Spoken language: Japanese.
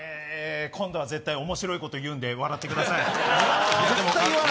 今度は絶対面白いこと言うんで笑ってください。